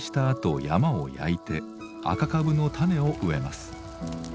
あと山を焼いて赤かぶの種を植えます。